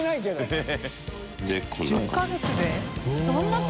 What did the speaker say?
１０か月で？